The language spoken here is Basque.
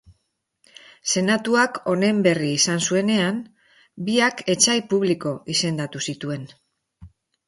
Senatuak honen berri izan zuenean, biak etsai publiko izendatu zituen.